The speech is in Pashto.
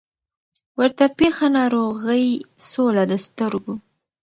ورته پېښه ناروغي سوله د سترګو